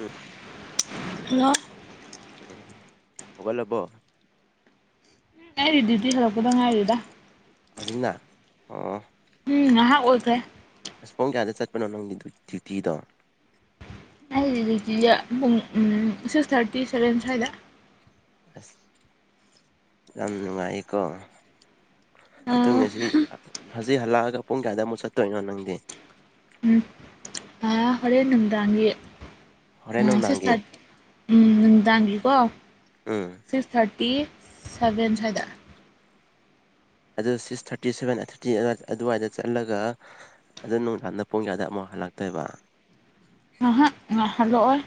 ꯎꯝ hello ꯍꯧꯒꯠꯂꯕꯣ ꯑꯩꯗꯤ duty ꯍꯜꯂꯛꯄꯗ ꯉꯥꯏꯔꯤꯗ ꯍꯧꯖꯤꯛꯅ ꯑꯣ ꯎꯝ ꯉꯍꯛ ꯑꯣꯏꯗ꯭ꯔꯦ ꯄꯨꯡ ꯀꯌꯥꯗ ꯆꯠꯄꯅꯣ ꯅꯪꯗꯤ ꯗ꯭ꯌꯨꯇꯤꯗꯣ ꯑꯩꯒꯤ ꯗ꯭ꯌꯨꯇꯤꯁꯦ ꯄꯨꯡ ꯎꯝ ꯁꯤꯛꯁ ꯊꯥꯔꯇꯤ ꯁꯚꯦꯟ ꯁ꯭ꯋꯥꯏꯗ ꯑꯁ ꯌꯥꯝ ꯅꯨꯡꯉꯥꯏꯌꯦꯀꯣ ꯑꯗꯨ ꯉꯁꯤ ꯎꯝ ꯍꯧꯖꯤꯛ ꯍꯜꯂꯛꯑꯒ ꯄꯨꯡ ꯀꯌꯥꯗ ꯑꯃꯨꯛ ꯆꯠꯇꯣꯏꯅꯣ ꯅꯪꯗꯤ ꯑꯥ ꯍꯣꯔꯦꯟ ꯅꯨꯡꯗꯥꯡꯒꯤ ꯍꯣꯔꯦꯟ ꯎꯝ ꯁꯤꯛꯁ ꯅꯨꯡꯗꯥꯡꯒꯤ ꯊꯥꯔꯇꯤ ꯎꯝ ꯅꯨꯡꯗꯥꯡꯒꯤꯀꯣ ꯎꯝ ꯁꯤꯛꯁ ꯊꯥꯔꯇꯤ ꯁꯚꯦꯟ ꯁ꯭ꯋꯥꯏꯗ ꯑꯗꯨ ꯁꯤꯛꯁ ꯊꯥꯔꯇꯤ ꯁꯦꯚꯦꯟ ꯊꯥꯔꯇꯤ ꯑꯗꯨ ꯑꯗꯨꯋꯥꯏꯗ ꯆꯠꯂꯒ ꯑꯗꯨ ꯅꯨꯡꯗꯥꯡꯗ ꯄꯨꯡ ꯀꯌꯥꯗ ꯑꯃꯨꯛ ꯍꯜꯂꯥꯛꯇꯣꯏꯕ ꯑꯍꯥꯛ ꯍꯜꯂꯛꯑꯣꯏ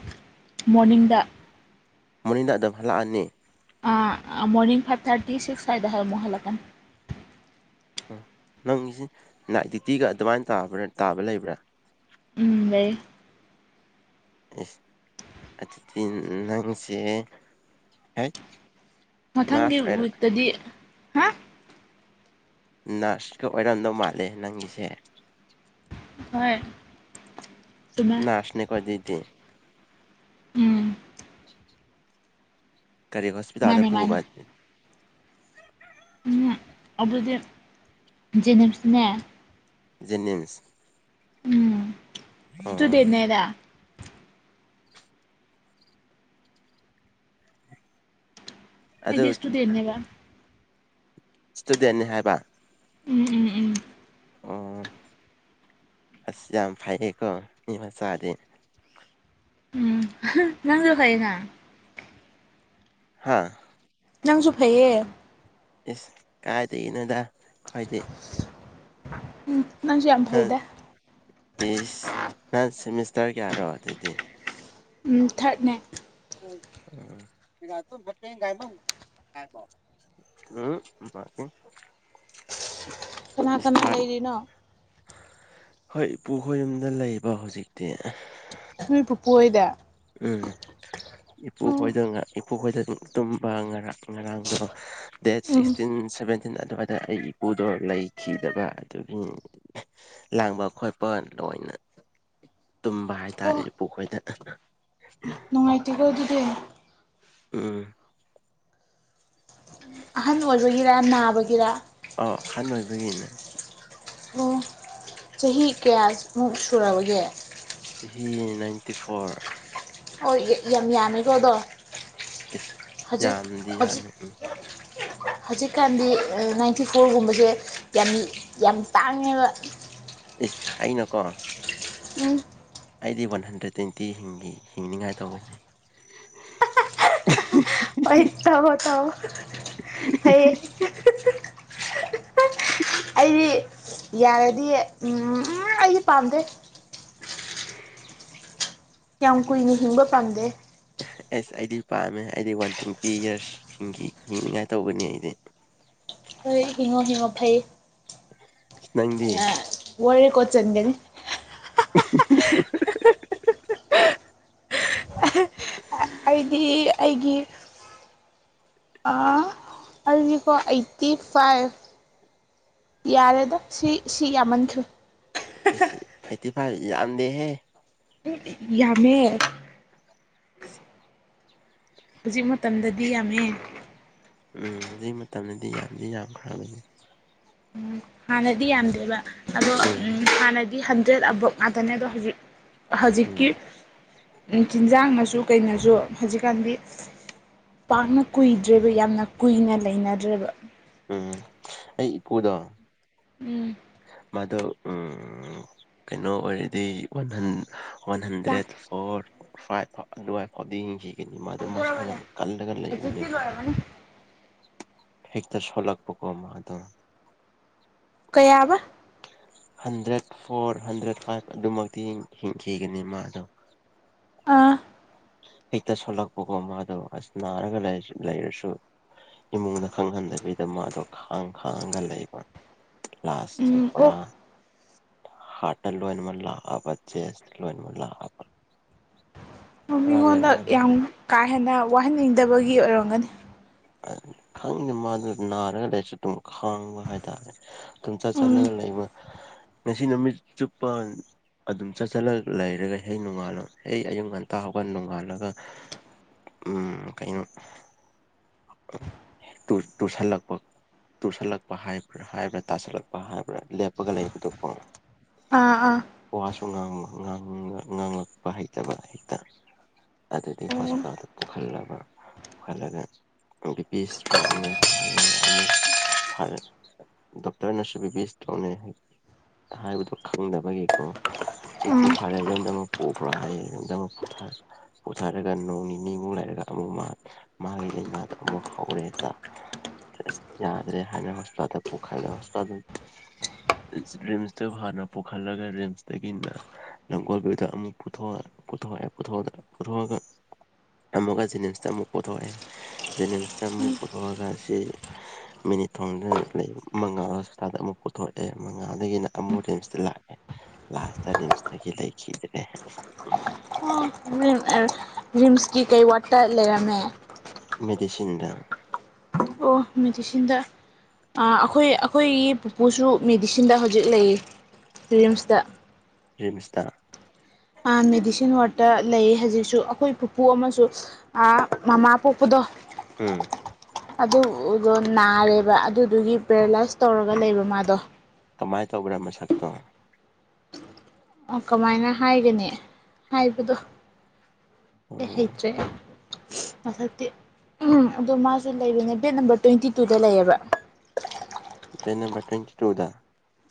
ꯃꯣꯔꯅꯤꯡꯗ ꯃꯣꯏꯅꯤꯗꯣ ꯑꯗꯨꯗ ꯍꯂꯛꯑꯅꯤ ꯑꯥ ꯃꯣꯔꯅꯤꯡ ꯐꯥꯏꯚ ꯊꯥꯔꯇꯤ ꯁꯤꯛꯁ ꯁ꯭ꯋꯥꯏꯗ ꯑꯃꯨꯛ ꯍꯜꯂꯛꯀꯅꯤ ꯅꯪꯒꯤꯁꯤ ꯅꯥꯏꯠ ꯗ꯭ꯌꯨꯇꯤꯒ ꯑꯗꯨꯃꯥꯏꯅ ꯇꯥꯕ꯭ꯔꯥ ꯇꯥꯕ ꯂꯩꯕ꯭ꯔꯥ ꯎꯝ ꯂꯩ ꯏꯁ ꯑꯗꯨꯗꯤ ꯅꯪꯁꯦ ꯍꯥꯏ ꯃꯊꯪꯒꯤ ꯋꯤꯛꯇꯗꯤ ꯍꯥ ꯅꯔꯁꯀ ꯑꯣꯏꯔꯝꯗꯧ ꯃꯥꯜꯂꯦ ꯅꯪꯒꯤꯁꯦ ꯍꯣꯏ ꯆꯨꯝꯃꯦ ꯅꯔꯁꯅꯤ ꯍꯧꯖꯤꯛꯇꯤ ꯎꯝ ꯀꯔꯤ ꯍꯣꯁꯄꯤꯇꯜꯗ ꯃꯥꯅꯦ ꯄꯨꯕ ꯑꯩ ꯑꯗꯨꯗꯤ ꯖꯦꯅꯤꯝꯁꯇꯅꯦ ꯖꯦꯅꯤꯝꯁ ꯎꯝ ꯑꯣ ꯏꯁꯇꯨꯗꯦꯟꯅꯦꯗꯥꯏ ꯑꯩꯗꯤ ꯑꯗꯨ ꯏꯁꯇꯨꯗꯦꯟꯅꯦꯕ ꯏꯁꯇꯨꯗꯦꯟꯅꯤ ꯍꯥꯏꯕ ꯎꯝ ꯎꯝ ꯎꯝ ꯑꯣ ꯑꯁ ꯌꯥꯝ ꯐꯩꯀꯣ ꯃꯤ ꯃꯆꯥꯗꯤ ꯅꯪꯅ ꯀꯩꯅꯣ ꯍꯥꯥ ꯅꯪꯁꯨ ꯐꯩꯌꯦ ꯏꯁ ꯀꯥꯏꯗꯒꯤꯅꯣꯗ ꯍꯥꯏꯗꯤ ꯎꯝ ꯅꯪꯁꯨ ꯌꯥꯝ ꯅꯪ ꯐꯩꯗ ꯏꯁ ꯅꯪ ꯁꯤꯃꯤꯁꯇꯔ ꯀꯌꯥꯔꯣ ꯑꯗꯨꯗꯤ ꯎꯝ ꯊꯥꯔꯠꯅꯦ [unintelligible] [unintelligible] ꯀꯅꯥ ꯏꯁ ꯀꯅꯥ ꯊꯥꯔꯠ ꯂꯩꯔꯤꯅꯣ ꯍꯣꯏ ꯏꯄꯨꯈꯣꯏ ꯌꯨꯝꯗ ꯂꯩꯕ ꯍꯧꯖꯤꯛꯇꯤ ꯅꯣꯏ ꯄꯨꯄꯨꯍꯣꯏꯗ ꯎꯝ ꯏꯄꯨ ꯎꯝ ꯈꯣꯏꯗ ꯏꯄꯨ ꯈꯣꯏꯗ ꯇꯨꯝꯕ ꯉꯔ ꯉꯔꯥꯡꯗꯨꯔꯣ ꯗꯦꯠ ꯎꯝ ꯁꯤꯛꯁꯇꯤꯟ ꯁꯚꯦꯟꯇꯤꯟ ꯑꯗꯨꯋꯥ ꯑꯩ ꯏꯄꯨꯗꯣ ꯂꯩꯈꯤꯗꯕ ꯑꯗꯨꯒꯤ ꯂꯥꯡꯕ ꯈꯣꯠꯄ ꯂꯣꯏꯅ [inaudible] ꯇꯨꯝꯕ ꯍꯥꯏꯇꯥꯔꯦ ꯑꯣ ꯏꯄꯨꯈꯣꯏꯗ ꯅꯨꯡꯉꯥꯏꯇꯦꯀꯣ ꯑꯗꯨꯗꯤ ꯎꯝ ꯑꯍꯟ ꯑꯣꯏꯕꯒꯤꯔ ꯅꯥꯕꯒꯤꯔ ꯑꯥ ꯑꯍꯟ ꯑꯣꯏꯕꯒꯤꯅꯦ ꯑꯣ ꯆꯍꯤ ꯀꯌꯥꯃꯨꯛ ꯁꯨꯔꯕꯒꯦ ꯆꯍꯤ ꯅꯥꯏꯟꯇꯤ ꯐꯣꯔ ꯍꯣꯏ ꯌꯥꯝ ꯌꯥꯃꯦꯀꯣ ꯑꯗꯣ ꯏꯁ ꯍꯧꯖꯤꯛ ꯌꯥꯝꯗꯤ ꯍꯧꯖꯤꯛ ꯌꯥꯝꯃꯦ ꯎꯝ [unintelligible] ꯍꯧꯖꯤꯛꯀꯥꯟꯗꯤ ꯅꯥꯏꯟꯇꯤ ꯐꯣꯔꯒꯨꯝꯕꯁꯦ ꯌꯥꯝ ꯌꯥꯝ ꯇꯥꯡꯉꯦꯕ ꯏꯁ ꯑꯩꯅꯀꯣ ꯎꯝ ꯑꯩꯗꯤ ꯋꯥꯟ ꯍꯟꯗ꯭ꯔꯦꯠ ꯇ꯭ꯋꯦꯟꯇꯤ ꯍꯤꯡꯅꯤꯉꯥꯏ ꯇꯧꯕꯅꯦ ꯍꯣꯏ ꯇꯧꯋꯣ ꯇꯧꯌꯣ ꯐꯩꯌꯦ ꯑꯩꯗꯤ ꯌꯥꯔꯗꯤ ꯑꯩꯗꯤ ꯄꯥꯝꯗꯦ ꯌꯥꯝ ꯀꯨꯏꯅ ꯍꯤꯡꯕ ꯄꯥꯝꯗꯦ ꯑꯦꯁ ꯑꯩꯗꯤ ꯄꯥꯝꯃꯦ ꯑꯩꯗꯤ ꯋꯥꯟ ꯇ꯭ꯋꯦꯟꯇꯤ ꯏꯌꯥꯔꯁ ꯍꯤꯡꯈꯤ ꯍꯤꯡꯅꯤꯉꯥꯏ ꯇꯧꯕꯒꯅꯤ ꯑꯩꯗꯤ ꯐꯩ ꯍꯤꯡꯉꯣ ꯍꯤꯡꯉꯣ ꯐꯩ ꯅꯪꯗꯤ ꯋꯥꯔꯜ ꯔꯦꯀꯣꯠ ꯆꯟꯒꯅꯤ [unintelligible] ꯑꯩꯗꯤ ꯑꯩꯒꯤ ꯑꯥ ꯑꯗꯨꯗꯤꯀꯣ ꯑꯩꯠꯇꯤ ꯐꯥꯏꯚ ꯌꯥꯔꯦꯗ ꯁꯤ ꯁꯤ ꯌꯥꯝꯃꯟꯈ꯭ꯔꯦ ꯑꯩꯠꯇꯤ ꯐꯥꯏꯚ ꯌꯥꯝꯗꯦꯍꯦ ꯌꯥꯝꯃꯦ [inaudible] ꯍꯧꯖꯤꯛ ꯃꯇꯝꯗꯗꯤ ꯌꯥꯝꯃꯦ ꯎꯝ ꯍꯧꯖꯤꯛ ꯃꯇꯝꯗꯗꯤ ꯌꯥꯝꯗꯤ ꯌꯥꯝꯈ꯭ꯔꯕꯅꯤ ꯍꯥꯟꯅꯗꯤ ꯌꯥꯝꯗꯦꯕ ꯑꯗꯣ ꯎꯝ ꯍꯥꯟꯅꯗꯤ ꯍꯟꯗ꯭ꯔꯦꯠ ꯑꯕꯞ ꯉꯥꯛꯇꯅꯦ ꯑꯗꯣ ꯍꯧꯖꯤꯛ ꯍꯧꯖꯤꯛꯀꯤ ꯎꯝ ꯆꯤꯟꯖꯥꯡꯅꯁꯨ ꯀꯩꯅꯣꯁꯨ ꯍꯧꯖꯤꯛꯀꯥꯟꯗꯤ ꯄꯥꯛꯅ ꯀꯨꯏꯗ꯭ꯔꯦꯕ ꯌꯥꯝꯅ ꯀꯨꯏꯅ ꯂꯩꯅꯗ꯭ꯔꯦꯕ ꯎꯝ ꯑꯩ ꯏꯄꯨꯗꯣ ꯎꯝ ꯃꯥꯗꯣ ꯎꯝ ꯀꯩꯅꯣ ꯑꯣꯏꯔꯗꯤ ꯋꯥꯟ ꯍꯟ ꯋꯥꯟ ꯆꯥꯛ ꯍꯟꯗ꯭ꯔꯦꯠ ꯐꯣꯔ ꯐꯥꯏꯚ ꯑꯗꯨꯋꯥꯏ ꯐꯥꯎꯗꯤ ꯌꯦꯡꯈꯤ ꯅꯤ ꯃꯥꯗꯣ ꯃꯁꯥ ꯌꯥꯝ ꯀꯜꯂꯒ ꯂꯩꯕꯅꯦꯕ ꯍꯦꯛꯇ ꯁꯣꯜꯂꯥꯛꯄꯀꯣ ꯃꯥꯗꯣ ꯀꯌꯥꯕꯥ ꯍꯟꯗ꯭ꯔꯦꯠ ꯐꯣꯔ ꯍꯟꯗ꯭ꯔꯦꯠ ꯐꯥꯏꯚ ꯑꯗꯨꯃꯛꯇꯤ ꯍꯤꯡꯈꯤꯒꯅꯤ ꯃꯥꯗꯣ ꯑꯥ ꯍꯦꯛꯇ ꯁꯣꯜꯂꯛꯄꯒꯣ ꯃꯥꯗꯣ ꯑꯁ ꯅꯥꯔꯒ ꯂꯩꯔꯁꯨ ꯏꯃꯨꯡꯗ ꯈꯪꯍꯟꯗꯕꯤꯗ ꯃꯥꯗꯣ ꯈꯥꯡ ꯈꯥꯡꯉꯒ ꯂꯩꯕ ꯂꯥꯛ ꯎꯝ ꯆꯠꯄ꯭ꯔꯥ ꯑꯣ ꯍꯥꯔꯠꯇ ꯂꯣꯢꯅꯃꯛ ꯂꯥꯛꯑꯕ ꯆꯦꯟꯁ ꯂꯣꯢꯅꯃꯛ ꯂꯥꯛꯑꯕ ꯄꯨꯔꯥ ꯃꯤꯉꯣꯟꯗ ꯕꯦꯔꯥꯅꯤ ꯌꯥꯝ ꯀꯥ ꯍꯦꯟꯅ ꯋꯥꯍꯟꯅꯤꯡꯗꯕꯒꯤ ꯑꯣꯏꯔꯝꯒꯅꯤ ꯈꯪꯗꯦ ꯃꯥꯗꯨ ꯅꯥꯔꯒ ꯂꯩꯁꯨ ꯑꯗꯨꯝ ꯈꯥꯡꯕ ꯍꯥꯏꯇꯥꯔꯦ ꯑꯗꯨꯝ ꯆꯠ ꯆꯠꯂꯒ ꯂꯩ [inaudible] ꯉꯁꯤ ꯅꯨꯃꯤꯠ ꯆꯨꯞꯄ ꯑꯗꯨꯝ ꯆꯠ ꯆꯠꯂ ꯂꯩꯔꯒ ꯍꯦꯛ ꯅꯣꯡꯉꯥꯜꯂ ꯍꯦꯛ ꯑꯌꯨꯛ ꯉꯟꯇꯥ ꯍꯧꯒꯠ ꯅꯣꯡꯉꯥꯜꯂꯒ ꯎꯝ ꯀꯩꯅꯣ ꯇꯨ ꯇꯨꯁꯜꯂꯛꯄ ꯇꯨꯁꯜꯂꯛꯄ ꯍꯥꯏꯕ꯭ꯔꯥ ꯍꯥꯏꯕ꯭ꯔꯥ ꯇꯥꯁꯜꯂꯛꯄ ꯍꯥꯏꯕ꯭ꯔꯥ ꯂꯦꯞꯄꯒ ꯂꯩꯕꯗꯣꯀꯣ ꯑꯥ ꯑꯥ ꯉꯥꯡ ꯉꯥꯡ ꯉꯥꯡꯂꯛꯄ ꯍꯩꯇꯕ ꯍꯦꯛꯇ ꯇꯗꯨꯗꯤ ꯎꯝ ꯍꯣꯁꯄꯤꯇꯥꯜꯗ ꯄꯨꯈꯠꯂꯕ ꯄꯨꯈꯠꯂꯒ ꯕꯤ ꯄꯤ ꯁꯇ꯭ꯔꯣꯛꯅꯦ ꯍꯥꯏꯌꯦ ꯑꯃꯨꯛ ꯐꯔꯦ ꯗꯣꯛꯇꯔꯅꯁꯨ ꯕꯤ ꯄꯤ ꯁꯇ꯭ꯔꯣꯛꯅꯦ ꯍꯥꯢ ꯍꯥꯏꯕꯗꯣ ꯈꯪꯗꯕꯒꯤꯀꯣ ꯍꯧꯖꯤꯛꯇꯤ ꯐꯔꯦ ꯌꯨꯝꯗ ꯑꯃꯨꯛ ꯄꯨꯈ꯭ꯔꯣ ꯍꯥꯏꯌꯦ ꯌꯨꯝꯗ ꯑꯃꯛ ꯄꯨꯊ ꯄꯨꯊꯔꯒ ꯅꯣꯡ ꯅꯤꯅꯤꯃꯨꯛ ꯂꯩꯔꯒ ꯑꯗꯨꯝ ꯃꯥ ꯃꯥꯒꯤ ꯂꯩꯅꯥꯥꯗ ꯑꯃꯨꯛ ꯍꯧꯔꯦꯗ ꯌꯥꯗ꯭ꯔꯦ ꯍꯥꯏꯅ ꯍꯣꯁꯇꯥꯜꯗ ꯄꯨꯈꯠꯂ ꯍꯣꯁꯄꯤꯇꯥꯜꯗ ꯔꯤꯝꯁꯇ ꯍꯥꯟꯅ ꯄꯨꯈꯠꯂꯒ ꯔꯤꯝꯁꯇꯒꯤꯅ ꯂꯝꯒꯣꯜ ꯚ꯭ꯌꯨꯗ ꯑꯃꯨꯛ ꯄꯨꯊꯣꯛꯑ ꯄꯨꯊꯣꯛꯑꯦ ꯄꯨꯊꯣꯛꯑꯒ ꯑꯃꯨꯛꯀ ꯖꯤꯅꯤꯝꯁꯇ ꯑꯃꯨꯛ ꯄꯨꯊꯣꯛꯑꯦ ꯖꯦꯅꯤꯝꯁꯇ ꯑꯃꯨꯛ ꯄꯨꯊꯣꯛꯑꯒ ꯁꯤ ꯃꯤꯅꯨ ꯊꯣꯡꯗ ꯂꯩ ꯃꯉꯥꯁꯨ ꯇꯥ ꯗ ꯑꯃꯨꯛ ꯄꯨꯊꯣꯛꯑꯦ ꯃꯉꯥꯗꯒꯤꯅ ꯑꯃꯨꯛ ꯔꯤꯝꯁꯇ ꯂꯥꯛꯑꯦ ꯂꯥꯁꯇ ꯔꯤꯝꯁꯇꯒꯤ ꯂꯩꯈꯤꯗ꯭ꯔꯦ [inaudible] ꯔꯤꯝꯁꯀꯤ ꯀꯩ ꯋꯥꯠꯇ ꯂꯩꯔꯝꯃꯦ ꯃꯦꯗꯤꯁꯤꯟꯗ ꯑꯣ ꯃꯦꯗꯤꯁꯤꯟꯗ ꯑ ꯑꯩꯈꯣꯏ ꯑꯩꯈꯣꯏꯒꯤ ꯄꯨꯄꯨꯁꯨ ꯃꯦꯗꯤꯁꯤꯟꯗ ꯍꯧꯖꯤꯛ ꯂꯩꯌꯦ ꯔꯤꯝꯁꯇ ꯔꯤꯝꯁꯇꯔ ꯑ ꯃꯦꯗꯤꯁꯤꯟ ꯋꯥꯔꯗꯠꯇ ꯂꯩ ꯍꯧꯖꯤꯛꯁꯨ ꯑꯩꯈꯣꯏ ꯄꯨꯄꯨ ꯑꯃꯁꯨ ꯑ ꯃꯃꯥ ꯄꯣꯛꯄꯗꯣ ꯎꯝ ꯑꯗꯨꯗꯣ ꯅꯥꯔꯦꯕ ꯑꯗꯨꯗꯨꯒꯤ ꯄꯦꯔꯥꯂꯥꯏꯁ ꯇꯧꯔꯒ ꯂꯩꯕ ꯃꯥꯗꯣ ꯀꯃꯥꯏꯅ ꯇꯧꯕ꯭ꯔꯥ ꯃꯁꯛꯇꯣ ꯀꯃꯥꯏꯅ ꯍꯥꯏꯒꯅꯤ ꯍꯥꯏꯕꯗꯣ ꯑꯩ ꯎꯝ ꯍꯩꯇ꯭ꯔꯦ ꯃꯁꯛꯇꯤ ꯎꯝ ꯑꯗꯣ ꯃꯥꯁꯦ ꯂꯩꯕꯅꯦ ꯕꯦꯠ ꯅꯝꯕꯔ ꯇ꯭ꯋꯦꯟꯇꯤ ꯇꯨꯗ ꯂꯩꯌꯦꯕ ꯕꯦꯠ ꯅꯝꯕꯔ ꯇ꯭ꯋꯦꯟ ꯇꯨꯗ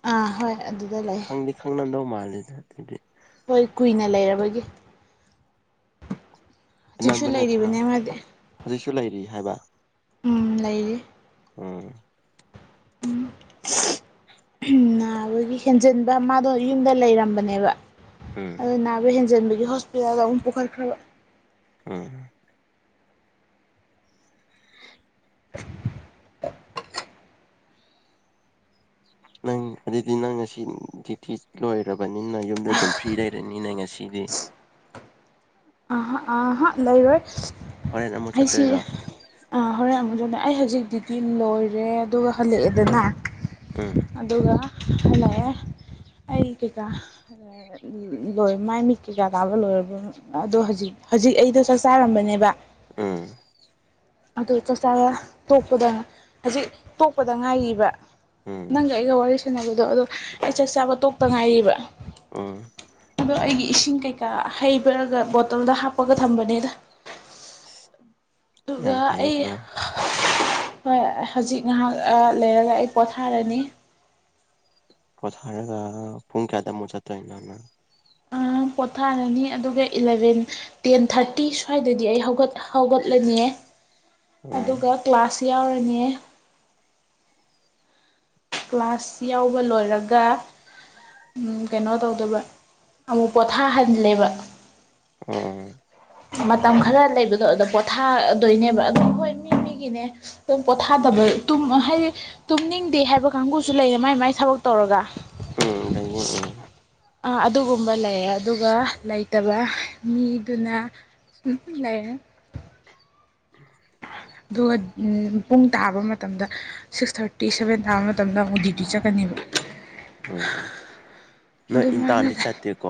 ꯑꯥ ꯍꯣꯏ ꯑꯗꯨꯗ ꯂꯩ ꯈꯪꯗꯤ ꯈꯪꯅꯝꯗꯧ ꯃꯥꯜꯂꯤꯗ ꯑꯗꯨꯗꯤ ꯍꯣꯏ ꯀꯨꯏꯅ ꯂꯩꯔꯕꯒꯤ ꯍꯧꯖꯤꯛꯁꯨ ꯑꯅꯝꯕꯅ ꯊꯥ ꯂꯩꯔꯤꯕꯅꯦ ꯃꯥꯗꯤ ꯍꯧꯖꯤꯛꯁꯨ ꯂꯩꯔꯤ ꯍꯥꯏꯕ ꯎꯝ ꯂꯩꯔꯤ ꯑꯣꯝ ꯎꯝ ꯅꯥꯕꯒꯤ ꯍꯦꯟꯖꯤꯟꯕ ꯃꯥꯗꯣ ꯌꯨꯝꯗ ꯂꯩꯔꯝꯕꯅꯦꯕ ꯎꯝ ꯑꯗꯨ ꯅꯥꯕ ꯍꯦꯟꯖꯤꯟꯕꯒꯤ ꯍꯣꯁꯄꯤꯇꯥꯜꯗ ꯑꯃꯨꯛ ꯄꯨꯈꯠꯈ꯭ꯔꯕ ꯎꯝ ꯅꯪ ꯑꯗꯨꯗꯤ ꯅꯪ ꯉꯁꯤ ꯗ꯭ꯌꯨꯇꯤ ꯂꯣꯏꯔꯕꯅꯤꯅ ꯌꯨꯝꯗ ꯑꯗꯨꯝ ꯐ꯭ꯔꯤ ꯂꯩꯔꯅꯤꯅꯦ ꯉꯁꯤꯗꯤ [inaudible] ꯍꯥ ꯑꯥꯍꯥ ꯂꯩꯔꯣꯏ ꯍꯣꯔꯦꯟ ꯑꯃꯨꯛ ꯑꯩꯁꯤ ꯆꯠꯇꯣꯏꯔꯣ ꯍꯣꯔꯦꯟ ꯑꯃꯨꯛ ꯆꯠꯅꯤ ꯑꯩ ꯍꯧꯖꯤꯛ ꯗ꯭ꯌꯨꯇꯤ ꯂꯣꯏꯔꯦ ꯑꯗꯨꯒ ꯍꯜꯂꯛꯑꯦꯗꯅ ꯎꯝ ꯑꯗꯨꯒ ꯍꯜꯂꯛꯑꯦ ꯑꯩ ꯀꯩꯀꯥ ꯂꯣꯏ ꯃꯥꯏ ꯃꯤꯠ ꯀꯩꯀꯥ ꯇꯥꯕ ꯂꯣꯏꯔꯕ ꯑꯗꯣ ꯍꯧꯖꯤꯛ ꯍꯧꯖꯤꯛ ꯑꯩꯗꯣ ꯆꯥꯛ ꯆꯥꯔꯝꯕꯅꯦꯕ ꯎꯝ ꯑꯗꯨ ꯆꯥꯛꯆꯥꯕ ꯇꯣꯛꯄꯗ ꯍꯧꯖꯤꯛ ꯇꯣꯛꯄꯗ ꯉꯥꯏꯔꯤꯕ ꯎꯝ ꯅꯪꯒ ꯑꯩꯒ ꯋꯥꯔꯤ ꯁꯥꯟꯅꯕꯗꯣ ꯑꯗꯣ ꯑꯩ ꯆꯥꯛ ꯆꯥꯕ ꯇꯣꯛꯇ ꯉꯥꯏꯔꯤꯕ ꯎꯝ ꯑꯗꯣ ꯑꯩꯒꯤ ꯏꯁꯤꯡ ꯀꯩꯀꯥ ꯍꯩꯕꯔꯒ ꯕꯣꯇꯜꯗ ꯍꯥꯞ ꯄꯒ ꯊꯝꯕꯅꯤꯗ ꯌꯥꯝ ꯑꯗꯨꯒ ꯑꯩ ꯐꯩꯌꯦꯀꯣ ꯍꯣꯏ ꯍꯧꯖꯤꯛ ꯉꯥꯏꯍꯥꯛ ꯂꯩꯔꯒ ꯑꯩ ꯄꯣꯊꯥꯔꯅꯤ ꯄꯣꯊꯔꯒ ꯄꯨꯡ ꯀꯌꯥꯗ ꯃꯨꯛ ꯆꯠꯇꯣꯏꯅꯣ [inaudible] ꯄꯣꯊꯥꯔꯅꯤ ꯑꯗꯨꯒ ꯏꯂꯚꯦꯟ ꯇꯦꯟ ꯊꯥꯔꯇꯤ ꯁ꯭ꯋꯥꯏꯗꯗꯤ ꯑꯩ ꯍꯧꯒꯠ ꯍꯧꯒꯠꯂꯅꯤꯑꯦ ꯎꯝ ꯑꯗꯨꯒ ꯀ꯭ꯂꯥꯁ ꯌꯥꯎꯔꯅꯤ ꯀ꯭ꯂꯥꯁ ꯌꯥꯎꯕ ꯂꯣꯏꯔꯒ ꯀꯩꯅꯣ ꯇꯧꯗꯣꯏꯕ ꯑꯃꯨꯛ ꯄꯣꯊꯥꯍꯜꯂꯦꯕ ꯑꯣ ꯃꯇꯝ ꯈꯔ ꯂꯩꯕꯗꯣ ꯑꯗꯨꯝ ꯄꯣꯊꯥꯗꯣꯏꯅꯦꯕ ꯑꯗꯨꯝ ꯍꯣꯏ ꯃꯤ ꯃꯤꯒꯤꯅꯦ ꯑꯗꯨꯝ ꯄꯣꯊꯥꯗꯕ ꯍꯥꯏꯗꯤ ꯇꯨꯝꯅꯤꯡꯗꯦ ꯍꯥꯏꯕ ꯀꯥꯡꯕꯨꯁꯨ ꯂꯩꯌꯦ ꯃꯥꯏ ꯃꯥꯏ ꯊꯕꯛ ꯇꯧꯔꯒ ꯎꯝ ꯂꯩꯌꯦ ꯎꯝ ꯑꯥ ꯑꯗꯨꯒꯨꯝꯕ ꯂꯩꯌꯦ ꯑꯗꯨꯒ ꯂꯩꯇꯕ ꯃꯤꯗꯨꯅ ꯂꯩ [inaudible] ꯑꯗꯨꯒ ꯎꯝ ꯄꯨꯡ ꯇꯥꯕ ꯃꯇꯝꯗ ꯁꯤꯛꯁ ꯊꯥꯔꯇꯤ ꯁꯕꯦꯟ ꯇꯥꯕ ꯃꯇꯝꯗ ꯑꯃꯨꯛ ꯗ꯭ꯌꯨꯇꯤ ꯆꯠꯀꯅꯦꯕ ꯎꯝ ꯅꯪ ꯏꯟꯇꯥꯔꯟꯗꯤ ꯆꯠꯇꯦꯀꯣ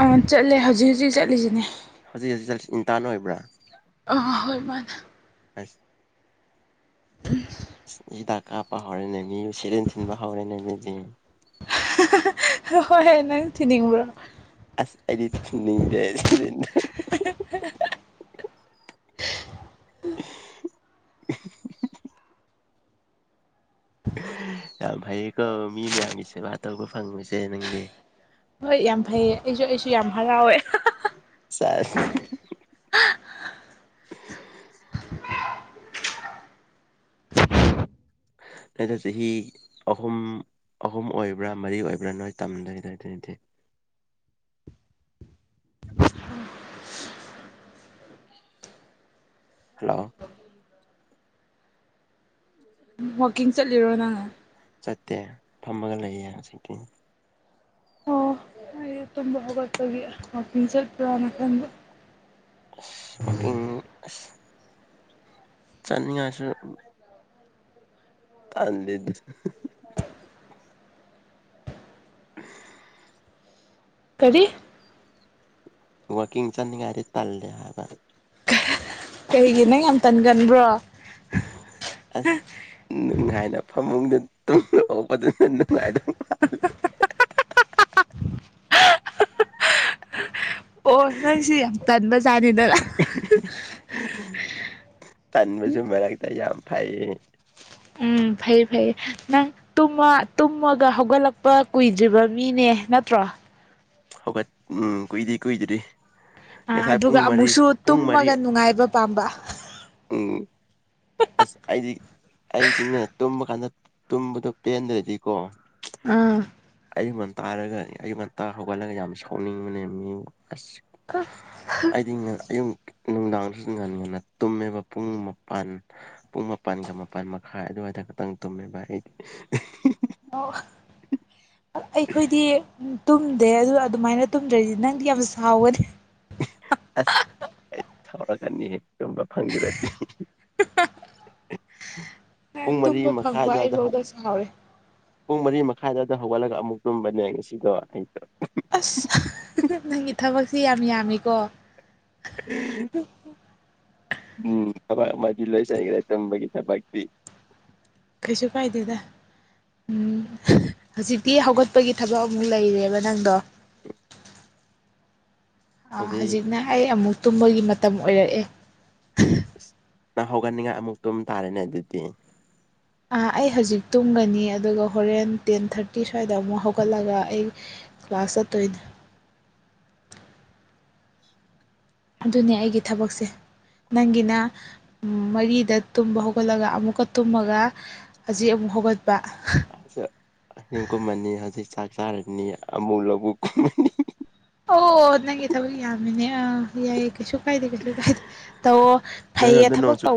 ꯑꯥ ꯆꯠꯂꯦ ꯍꯧꯖꯤꯛ ꯍꯧꯖꯤꯛ ꯆꯠꯂꯤꯁꯤꯅꯦ ꯍꯧꯖꯤꯛ ꯍꯧꯖꯤꯛ ꯆꯠꯂꯤꯁꯤ ꯏꯟꯇꯥꯅ ꯑꯣꯏꯕ꯭ꯔꯥ ꯑꯥ ꯍꯣꯏ ꯃꯥꯅꯦ [unintelligible] ꯍꯤꯗꯥꯛ ꯀꯥꯞꯄ ꯍꯧꯔꯦꯅꯦ ꯃꯤꯁꯨ ꯁꯦꯔꯦꯟ ꯊꯤꯟꯕ ꯍꯧꯔꯦꯅꯦ ꯑꯗꯨꯗꯤ ꯍꯣꯏ ꯅꯪ ꯊꯤꯅꯤꯡꯕ꯭ꯔꯣ ꯑꯁ ꯑꯩꯗꯤ ꯊꯤꯟꯅꯤꯡꯗꯦ [unintelligible] ꯌꯥꯝ ꯐꯩꯌꯦꯀꯣ ꯃꯤ ꯃꯌꯥꯝꯒꯤ ꯁꯦꯕꯥ ꯇꯧꯕ ꯐꯪꯕꯁꯦ ꯅꯪꯗꯤ ꯍꯣꯏ ꯌꯥꯝ ꯐꯩꯌꯦ ꯑꯩꯁꯨ ꯑꯩꯁꯨ ꯌꯥꯝ ꯍꯔꯥꯎꯋꯦ ꯁꯦꯁ [inaudible] ꯅꯣꯏꯗꯣ ꯆꯍꯤ ꯑꯍꯨꯝ ꯑꯍꯨꯝ ꯑꯣꯏꯕ꯭ꯔꯥ ꯃꯔꯤ ꯑꯣꯏꯕ꯭ꯔꯥ ꯅꯣꯏ ꯇꯝꯗꯣꯏꯗꯨꯗꯤꯗꯤ [inaudible] ꯍꯜꯂꯣ ꯋꯥꯋꯀꯤꯡ ꯆꯠꯂꯤꯔꯣ ꯅꯪ ꯆꯠꯇꯦ ꯐꯝꯃꯒ ꯂꯩꯌꯦ ꯍꯧꯖꯤꯛꯇꯤ ꯑꯣ ꯑꯩ ꯇꯨꯝꯕ ꯍꯧꯒꯠꯄꯒꯤ ꯐꯝꯕꯤ ꯆꯠꯄ꯭ꯔꯥꯅ ꯈꯟꯕ ꯑꯁ ꯋꯥꯀꯤꯡ ꯑꯁ ꯆꯠꯅꯤꯡꯉꯥꯢꯁꯨ ꯑꯗꯨꯢꯗꯨ ꯀꯔꯤ ꯋꯥꯀꯤꯡ ꯆꯠ ꯅꯤꯡꯉꯥꯢꯗꯣ ꯇꯜꯂꯦ ꯍꯥꯏꯕ ꯀꯔꯤꯒꯤ ꯅꯪ ꯌꯥꯝ ꯇꯟꯒꯟꯕ꯭ꯔꯣ ꯑꯣ ꯑꯁ ꯉꯥꯏꯗ ꯐꯃꯨꯡꯗ ꯇꯨꯝ ꯑꯣꯄꯗꯨꯅ ꯅꯨꯡꯉꯥꯏꯗꯧ ꯃꯥꯜꯂꯤ ꯍꯥꯍꯥꯍꯥ ꯑꯣ ꯅꯪꯁꯤ ꯌꯥꯝ ꯇꯟꯕꯖꯥꯠꯅꯤꯗꯅ ꯇꯟꯕꯁꯨ ꯃꯔꯛꯇ ꯌꯥꯝ ꯐꯩꯌꯦ ꯎꯝ ꯐꯩ ꯐꯩꯌꯦ ꯅꯪ ꯇꯨꯝꯃ ꯇꯨꯝꯃꯒ ꯍꯧꯒꯠꯂꯛꯄ ꯀꯨꯏꯗ꯭ꯔꯤꯕ ꯃꯤꯅꯦ ꯅꯠꯇ꯭ꯔꯣ ꯋꯥ ꯍꯧꯒꯠ ꯎꯝ ꯀꯨꯏꯗ꯭ꯔꯤ ꯀꯨꯏꯗ꯭ꯔꯤ ꯑ ꯉꯁꯥꯏ ꯄꯨꯡ ꯑꯗꯨꯒ ꯃꯔꯤ ꯑꯃꯨꯛꯁꯨ ꯄꯨꯡ ꯃꯔꯤ ꯇꯨꯝꯃꯒ ꯅꯨꯡꯉꯥꯏꯕ ꯄꯥꯝꯕ ꯎꯝ ꯑꯁ ꯑꯩꯗꯤ ꯑꯩꯗꯤꯅꯦ ꯇꯨꯝꯕ ꯀꯥꯟꯗ ꯇꯨꯝꯕꯗꯣ ꯄꯦꯟꯗ꯭ꯔꯗꯤꯀꯣ ꯑꯥ ꯑꯌꯨꯛ ꯉꯟꯇꯥꯔꯒ ꯑꯌꯨꯛꯉꯟꯇꯥ ꯍꯧꯒꯠꯂꯒ ꯌꯥꯝ ꯁꯥꯎꯅꯤꯡꯕꯅꯦ ꯃꯤ ꯑꯁ ꯑꯩꯗꯤ ꯑꯌꯨꯛ ꯅꯨꯡꯗꯥꯡꯗꯁꯨ ꯉꯟ ꯉꯅ ꯇꯨꯝꯃꯦꯕ ꯄꯨꯡ ꯃꯄꯟ ꯄꯨꯡ ꯃꯥꯄꯜꯒ ꯃꯄꯜ ꯃꯈꯥꯏ ꯑꯗꯨꯋꯥꯏꯗ ꯈꯛꯇꯪ ꯇꯨꯝꯃꯦꯕ ꯑꯩ [inaudible] ꯑꯩꯈꯣꯏꯗꯤ ꯇꯨꯝꯗꯦ ꯑꯗꯨ ꯑꯗꯨꯃꯥꯏꯅ ꯇꯨꯝꯗ꯭ꯔꯗꯤ ꯅꯪꯗꯤ ꯌꯥꯝ ꯁꯥꯎꯒꯅꯤ ꯑꯁ ꯑꯩ ꯁꯥꯎꯔꯀꯅꯤ ꯇꯨꯝꯕ ꯐꯪꯗꯔꯗꯤ [inaudible] ꯄꯨꯡ ꯃꯔꯤ ꯇꯨꯝꯕ ꯃꯈꯥꯏ ꯐꯪꯕ ꯑꯗꯨ꯭ꯋꯥꯏꯗ ꯍꯧ ꯑꯩꯐꯧꯗ ꯁꯥꯎꯔꯦ ꯄꯨꯡ ꯃꯔꯤ ꯃ ꯈꯥꯏꯗꯕꯗ ꯍꯧꯒꯠꯂꯒ ꯑꯃꯨꯛ ꯇꯨꯝꯕꯅꯦ ꯉꯁꯤꯗꯣ ꯑꯩꯗꯣ ꯑꯁ ꯅꯪꯒꯤ ꯊꯕꯛꯁꯤ ꯌꯥꯝ ꯌꯥꯝꯃꯤꯀꯣ ꯍ ꯍ ꯎꯝ ꯊꯕꯛ ꯑꯃꯗꯤ ꯂꯣꯏꯁꯤꯟꯈ꯭ꯔꯦ ꯇꯨꯝꯕꯒꯤ ꯊꯕꯛꯇꯤ ꯀꯔꯤꯁꯨ ꯀꯥꯏꯗꯦꯗ ꯎꯝ ꯍꯧꯖꯤꯛꯇꯤ ꯍꯧꯒꯠꯄꯒꯤ ꯊꯕꯛ ꯑꯃꯨꯛ ꯂꯩꯔꯦꯕ ꯅꯪꯗꯣ [inaudible] ꯑ ꯍꯧꯖꯤꯛ ꯍꯖꯤꯛꯅ ꯑꯩ ꯑꯃꯨꯛ ꯇꯨꯝꯕꯒꯤ ꯃꯇꯝ ꯑꯣꯏꯔꯛꯑꯦ ꯑꯁ ꯅꯪ ꯍꯧꯒꯠꯅꯤꯡꯉꯥꯏ ꯑꯃꯨꯛ ꯇꯨꯝ ꯇꯥꯔꯦꯅꯦ ꯑꯗꯨꯗꯤ ꯑꯥ ꯑꯩ ꯍꯧꯖꯤꯛ ꯇꯨꯝꯒꯅꯤ ꯑꯗꯨꯒ ꯍꯣꯔꯦꯟ ꯇꯦꯟ ꯊꯥꯔꯇꯤ ꯁ꯭ꯋꯥꯏꯗ ꯑꯃꯨꯛ ꯍꯧꯒꯠꯂꯒ ꯑꯩ ꯀ꯭ꯂꯥꯁ ꯆꯠꯇꯣꯏꯅꯦ ꯑꯗꯨꯅꯦ ꯑꯩꯒꯤ ꯊꯕꯛꯁꯦ ꯅꯪꯒꯤꯅ ꯃꯔꯤꯗ ꯇꯨꯝꯕ ꯍꯧꯒꯠꯂꯒ ꯑꯃꯨꯛꯀ ꯇꯨꯝꯃꯒ ꯍꯧꯖꯤꯛ ꯑꯃꯨꯛ ꯍꯧꯒꯠ ꯍꯪꯆ ꯌꯨꯝ ꯀꯨꯝꯃꯅꯤ ꯍꯧꯖꯤꯛ ꯆꯥꯛ ꯆꯔꯅꯤ ꯑꯃꯨꯛ ꯂꯧꯕꯨꯛ ꯀꯨꯝꯃꯅꯤ ꯑꯣ ꯅꯪꯒꯤ ꯊꯕꯛ ꯌꯥꯝꯃꯤꯅꯦ ꯑꯥ ꯌꯥꯏꯌꯦ ꯀꯩꯁꯨ ꯀꯥꯏꯗꯦ ꯀꯩꯁꯨ ꯀꯥꯏꯗꯦ ꯇꯧꯑꯣ ꯐꯩꯌꯦ ꯅꯣꯏꯔꯣꯝꯗ ꯊꯕꯛ ꯅꯣꯡ ꯇꯧ